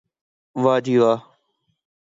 واہ جی واہ